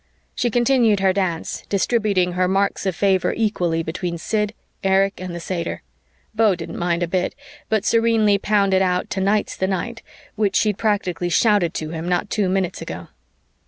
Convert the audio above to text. She continued her dance, distributing her marks of favor equally between Sid, Erich and the satyr. Beau didn't mind a bit, but serenely pounded out "Tonight's the Night" which she'd practically shouted to him not two minutes ago.